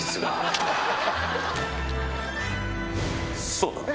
そうだ！